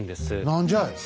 何じゃい。